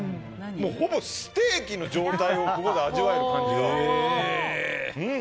ほぼステーキの状態を味わえる感じが。